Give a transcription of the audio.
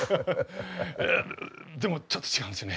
でもちょっと違うんですよね。